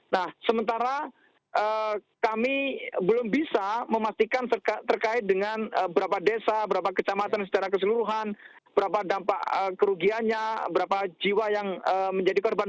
nah sementara kami belum bisa memastikan terkait dengan berapa desa berapa kecamatan secara keseluruhan berapa dampak kerugiannya berapa jiwa yang menjadi korban